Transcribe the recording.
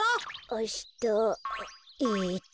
あしたえっと。